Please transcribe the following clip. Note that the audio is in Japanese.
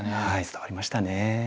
伝わりましたね。